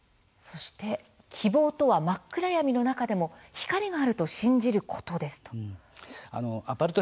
そして希望とは真っ暗闇の中でも光があると信じることです。